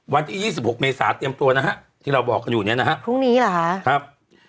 วันที่๒๖เมษาเตรียมตัวนะฮะที่เราบอกกันอยู่เนี่ยนะฮะพรุ่งนี้เหรอฮะครับ